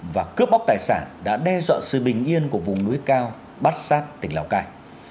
và cướp bóc tài sản đã đe dọa sự bình yên của vùng núi cao bát sát tỉnh lào cai